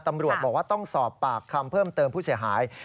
ตำรวจบอกว่าต้องสอบปากคำเพิ่มเติมผู้เสียหาย